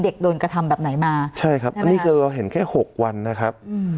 โดนกระทำแบบไหนมาใช่ครับอันนี้คือเราเห็นแค่หกวันนะครับอืม